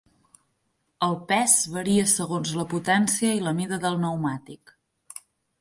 El pes varia segons la potència i la mida del pneumàtic.